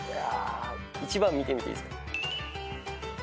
１番見てみていいっすか？